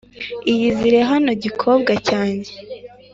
iyizire hano gikobwa cyane